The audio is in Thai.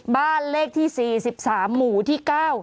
บ้านเลขที่๔๓หมู่ที่๙